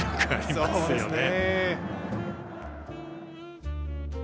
「そうですね」。